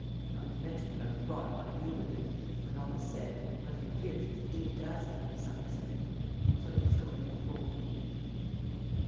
Not to mention that I was brought by you and that, when all is said, my little gifts did dazzle him to some extent. So let us go ahead boldly."